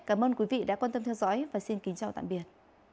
cảm ơn quý vị đã quan tâm theo dõi và xin kính chào tạm biệt